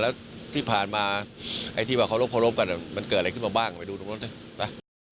แล้วที่ผ่านมาไอ้ที่ว่าเคารพกันมันเกิดอะไรขึ้นมาบ้างไปดูตรงนู้นนะ